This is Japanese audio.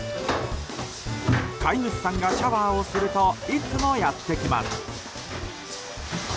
飼い主さんがシャワーをするといつもやってきます。